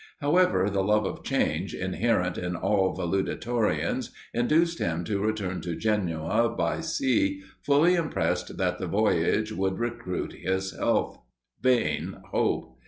However, the love of change, inherent in all valetudinarians, induced him to return to Genoa by sea, fully impressed that the voyage would recruit his health. Vain hope!